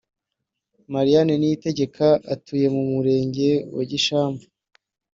Mariane Niyitegeka utuye mu murenge wa Gishamvu